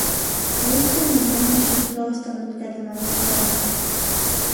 Әйүптең генә яҙмышын турағыстан үткәрҙеме был заман?